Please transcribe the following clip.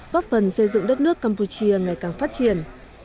góp phần xây dựng đất nước campuchia ngày càng phát triển